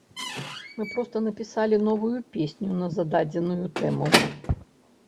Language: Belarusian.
Мы проста напісалі новую песню на зададзеную тэму.